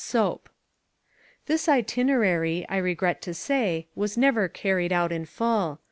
Soap. This itinerary, I regret to say, was never carried out in full.